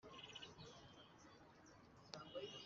abamotari basigaye bagira ama koperative babarizwamo